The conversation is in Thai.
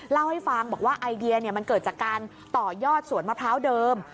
เล่าให้ฟังบอกว่าไอเดียมันเกิดจากการต่อยอดสวนมะพร้าวเดิม